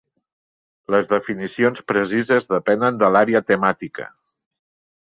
Les definicions precises depenen de l'àrea temàtica.